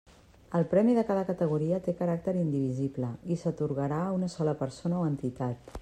El premi de cada categoria té caràcter indivisible i s'atorgarà a una sola persona o entitat.